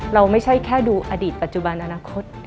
ไม่ใช่แค่ดูอดีตปัจจุบันอนาคต